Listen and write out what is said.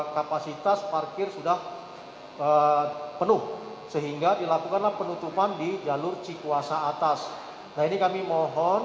kapasitas parkir sudah penuh sehingga dilakukanlah penutupan di jalur cikuasa atas nah ini kami mohon